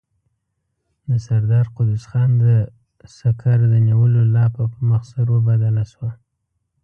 د سردار قدوس خان د سکر د نيولو لاپه په مسخرو بدله شوه.